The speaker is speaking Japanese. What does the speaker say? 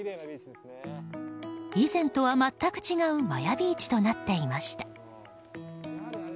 以前とは全く違うマヤビーチとなっていました。